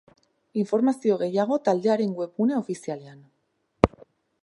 Informazio gehiago taldearen webgune ofizialean.